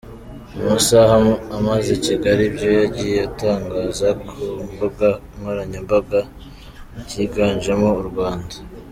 Mu masaha amaze i Kigali ibyo yagiye atangaza ku mbuga nkoranyambaga byiganjemo u Rwanda.